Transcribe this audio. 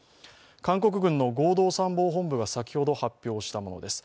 韓国軍の合同参謀本部が先ほど発表したものです。